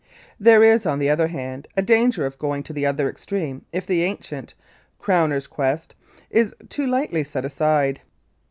There is, on the other hand, a danger of going to the other extreme if the ancient "Crowner's quest" is too lightly set aside.